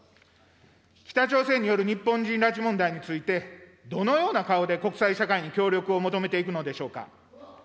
北朝鮮による日本人拉致問題についてどのような顔で国際社会に協力を求めていくのでしょうか。